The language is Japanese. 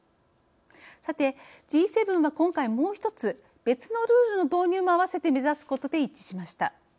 さてＧ７は今回もう一つ別のルールの導入もあわせて目指すことで一致しました。